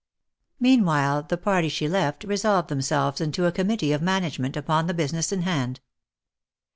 Meanwhile, the party she left resolved themselves into a commit tee of management upon the business in hand.